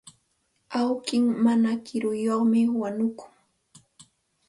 Awki mana kiruyuqmi wañukun.